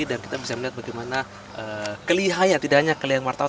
dan kita bisa melihat bagaimana kelihayaan tidak hanya kelihayaan wartawan